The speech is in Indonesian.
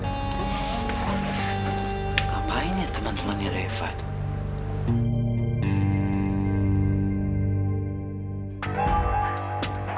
terus ngapain ya teman temannya reva tuh